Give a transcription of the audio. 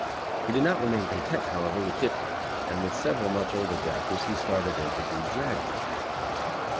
He did not remain content, however, with "dipping" and, with several much older "grafters", he started in to do "drag" work.